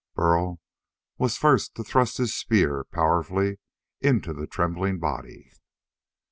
Burl was first to thrust his spear powerfully into the trembling body.